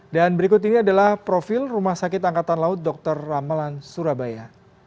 dan berikut ini adalah profil rumah sakit angkatan laut dr ramelan surabaya